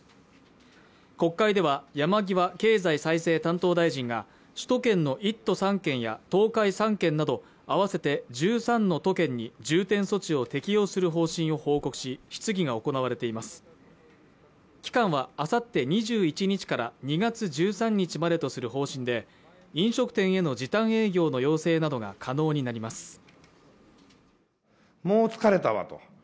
国会では山際経済再生担当大臣が首都圏の１都３県や東海３県など合わせて１３の都県に重点措置を適用する方針を報告し質疑が行われています期間はあさって２１日から２月１３日までとする方針で飲食店への時短営業の要請などが可能になります